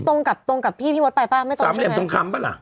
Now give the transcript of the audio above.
ตรงต่อกับพี่ม็อตไปป่ะไม่ตรงใช่ไหม๓เหลี่ยมตรงคำป่ะล่ะ